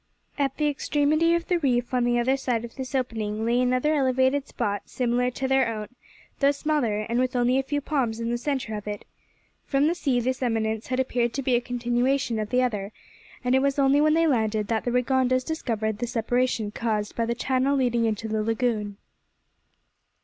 At the extremity of the reef, on the other side of this opening, lay another elevated spot, similar to their own, though smaller, and with only a few palms in the centre of it. From the sea this eminence had appeared to be a continuation of the other, and it was only when they landed that the Rigondas discovered the separation caused by the channel leading into the lagoon.